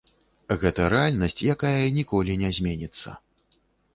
Гэта рэальнасць, якая ніколі не зменіцца.